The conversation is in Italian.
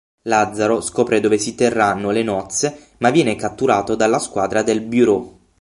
Lazzaro scopre dove si terranno le nozze, ma viene catturato dalla squadra del Bureau.